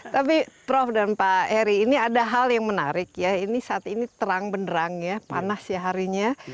tapi prof dan pak heri ini ada hal yang menarik ya ini saat ini terang benerang ya panas ya harinya